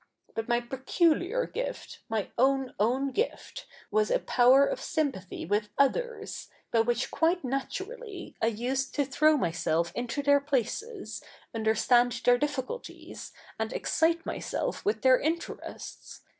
But my peculiar gift, ?ny own own gift^ zvas a poiver of sympathy with others, by which quite naturally I used to throw myself into their places, u?iderstand their difficulties, and excite myself with their interests.